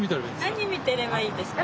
何見てればいいですか？